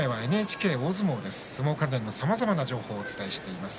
相撲関連のさまざまな情報をお伝えしています。